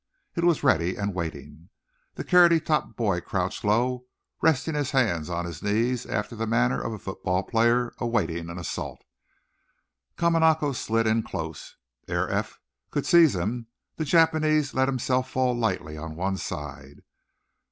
It was ready and waiting. The carroty topped boy crouched low, resting his hands on his knees, after the manner of a football player awaiting an assault. Kamanako slid in close. Ere Eph could seize him the Japanese let himself fall lightly on one side.